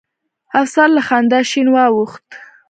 افسر له خندا شين واوښت.